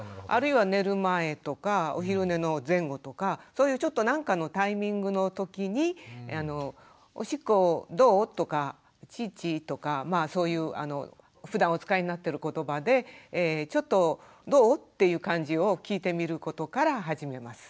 そういうちょっと何かのタイミングのときに「おしっこどう？」とか「チッチ」とかまあそういうふだんお使いになってる言葉で「ちょっとどう？」っていう感じを聞いてみることから始めます。